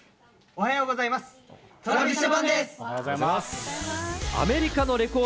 おはようございます。